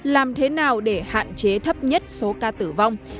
làm thế nào để hạn chế thấp nhất số ca tử vong